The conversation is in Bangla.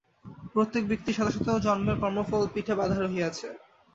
প্রত্যেক ব্যক্তির শত শত জন্মের কর্মফল পিঠে বাঁধা রহিয়াছে।